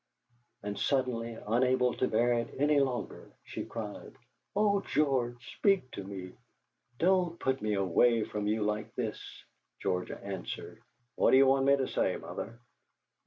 And suddenly, unable to bear it any longer, she cried: "Oh, George, speak to me! Don't put me away from you like this!" George answered: "What do you want me to say, Mother?"